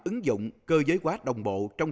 ứng dụng cơ giới hóa đồng bộ trong